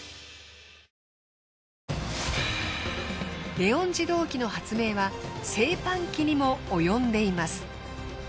レオン自動機の発明は製パン機にも及んでいます。